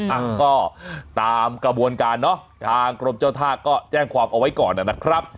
อ่ะก็ตามกระบวนการเนอะทางกรมเจ้าท่าก็แจ้งความเอาไว้ก่อนนะครับ